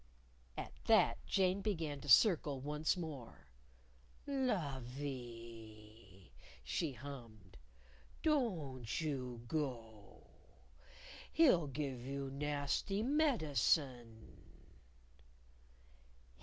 At that, Jane began to circle once more. "Lovie," she hummed, "don't you go! He'll give you nasty medicine!"